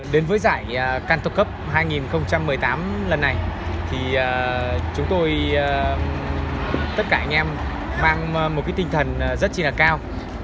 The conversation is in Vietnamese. đến với giải kanto cup hai nghìn một mươi tám lần này tất cả anh em mang một tinh thần rất cao